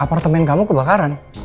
apartemen kamu kebakaran